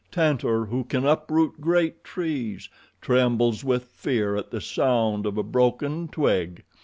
Tantor, who can uproot great trees, trembles with fear at the sound of a broken twig."